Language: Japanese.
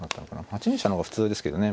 ８二飛車の方が普通ですけどね